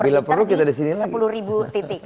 oh bila perlu kita di siniin lagi